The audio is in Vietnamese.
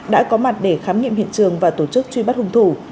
đã có mặt để khám nghiệm hiện trường và tổ chức truy bắt hung thủ